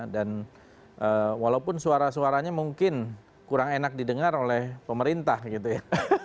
walaupun suara suaranya mungkin kurang enak didengar oleh pemerintah gitu ya